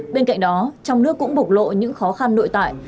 bên cạnh đó trong nước cũng bộc lộ những khó khăn nội tại